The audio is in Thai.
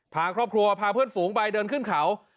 พาครอบครัวพาเพื่อนฝูงไปเดินขึ้นเขา